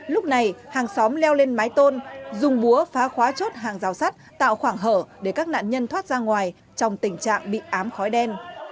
lúc này hàng xóm leo lên mái tôn dùng búa phá khóa chốt hàng rào sắt tạo khoảng hở để các nạn nhân thoát ra ngoài trong tình trạng bị ám khói đen